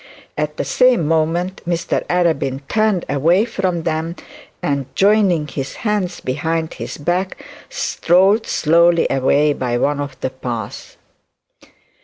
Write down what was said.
At the same moment Mr Arabin turned away from them, and joining his hands behind his back strolled slowly away by one of the paths.